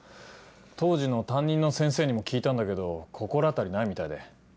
当時の担任の先生にも聞いたんだけど心当たりないみたいで。